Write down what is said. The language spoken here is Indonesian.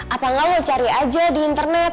apa nggak lo cari aja di internet